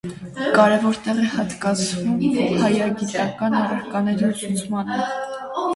Կարևոր տեղ է հատկացվում հայագիտական առարկաների ուսուցմանը։